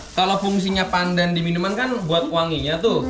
kalau fungsinya pandan di minuman kan buat wanginya tuh